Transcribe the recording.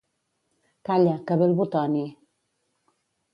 Calla, que ve el Butoni.